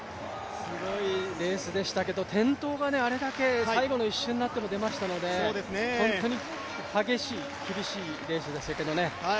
すごいレースでしたけれども、転倒が最後の１周になっても出ましたので本当に激しい、厳しいレースでしたけどね。